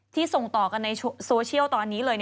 ส่งต่อกันในโซเชียลตอนนี้เลย